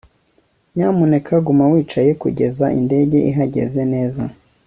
nyamuneka guma wicaye kugeza indege ihagaze neza